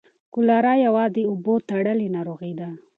کولرا یوه د اوبو تړلۍ ناروغي ده.